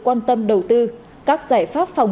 quan tâm đầu tư các giải pháp phòng